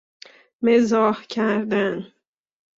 مزاح کردن